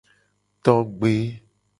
Togbe.